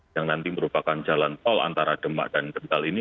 yang nanti merupakan jalan tol antara demak dan kental ini